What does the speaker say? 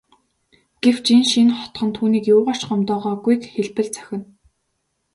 Гэвч энэ шинэ хотхон түүнийг юугаар ч гомдоогоогүйг хэлбэл зохино.